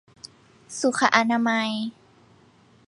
สุขอนามัย